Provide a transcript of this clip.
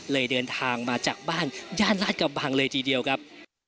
เดินทางมาจากบ้านย่านราชกระบังเลยทีเดียวครับ